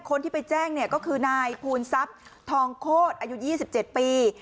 คนที่ไปแจ้งเนี่ยก็คือนายภูนทรัพย์ทองโคตรอายุ๒๗ปี